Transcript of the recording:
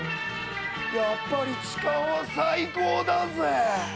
やっぱり痴漢は最高だぜ。